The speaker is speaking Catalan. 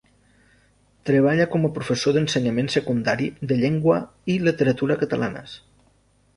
Treballa com a professor d'ensenyament secundari de llengua i literatura catalanes.